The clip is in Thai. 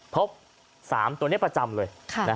พบ๓ตัวนี้ประจำเลย